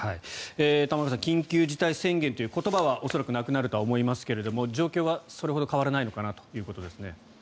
玉川さん緊急事態宣言という言葉は恐らくなくなるとは思いますが状況はそれほど変わらないのかなということですね。